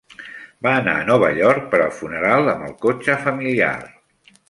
Va anar a Nova York per al funeral amb el cotxe familiar.